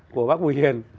của bác bùi hiền